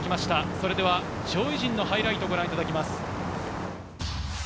それでは上位陣のハイライトをご覧いただきます。